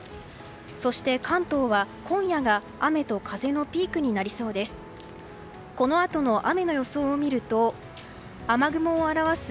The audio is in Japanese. そして関東は今夜が雨と風のピークとなりそうです。